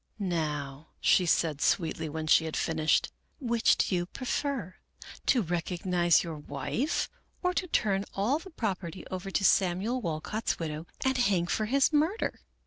"' Now,' she said, sweetly, when she had finished, * which do you prefer, to recognize your wife, or to turn all the property over to Samuel Walcott's widow and hang for his murder?